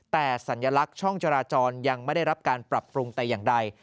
แต่สัญลักษณ์ช่องจราจรยังไม่ได้รับการปรับปรุงแต่อย่างใด